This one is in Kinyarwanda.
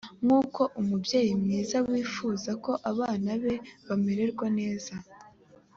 nk uko umubyeyi mwiza yifuza ko abana be bamererwa neza